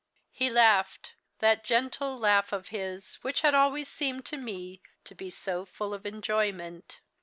"He laughed that gentle laugh of his which had always seemed to me to be so full of enjoyment.